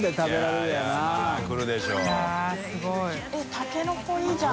えっタケノコいいじゃん。